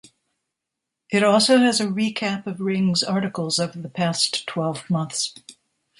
It also has a recap of "Ring"'s articles of the past twelve months.